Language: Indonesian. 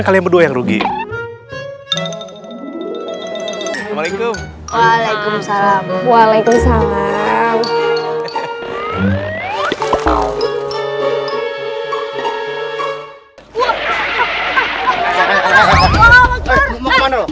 kalian berdua yang rugi waalaikumsalam